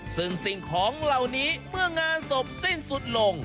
ซึ่งสิ่งของเหล่านี้เมื่องานศพสิ้นสุดลง